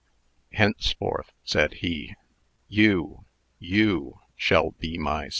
"Henceforth," said he, "you you shall be my son."